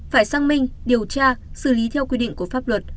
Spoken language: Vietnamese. phải sang minh điều tra xử lý theo quy định của pháp luật